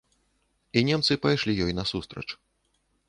І немцы пайшлі ёй насустрач.